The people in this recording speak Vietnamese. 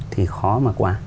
thì khó mà qua